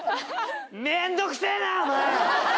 面倒くせぇなお前！